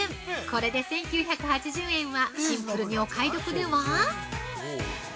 これで１９８０円はシンプルにお買い得では！？